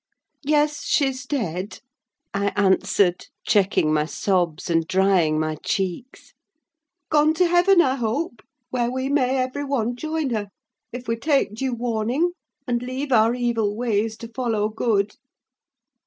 "Yes, she's dead!" I answered, checking my sobs and drying my cheeks. "Gone to heaven, I hope; where we may, every one, join her, if we take due warning and leave our evil ways to follow good!"